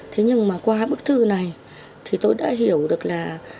thế nhưng mà qua bức thư này thì tôi đã hiểu được là